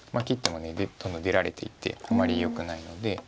切っても出られていてあまりよくないので。